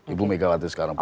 ibu megawati sekarang